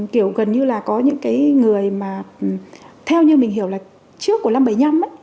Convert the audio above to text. kiểu gần như là có những cái người mà theo như mình hiểu là trước của năm bảy mươi năm ấy